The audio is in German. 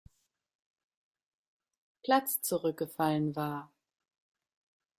Platz zurückgefallen war.